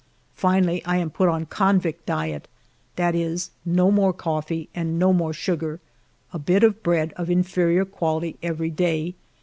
Finally 1 am put on convict diet, — that is, no more coffee and no more sugar; a bit of bread of inferior quality every day.